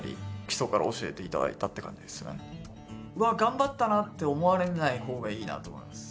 基礎から教えていただいたって感じですねわあ頑張ったなって思われない方がいいなと思います